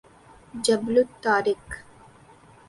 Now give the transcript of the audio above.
جبل الطارق